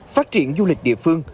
phát triển du lịch địa phương